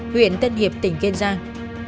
huyện tân hiệp tỉnh kiên giang